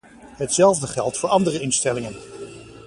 Hetzelfde geldt voor andere instellingen.